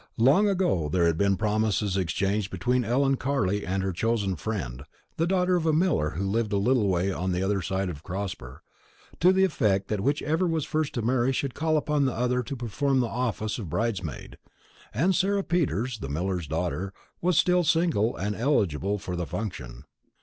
Long ago there had been promises exchanged between Ellen Carley and her chosen friend, the daughter of a miller who lived a little way on the other side of Crosber, to the effect that whichever was first to marry should call upon the other to perform the office of bridesmaid; and Sarah Peters, the miller's daughter, was still single and eligible for the function.